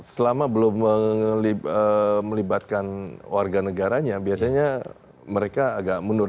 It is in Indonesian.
selama belum melibatkan warga negaranya biasanya mereka agak mundur